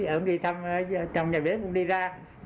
ông đi thăm trong nhà bếp ông đi ra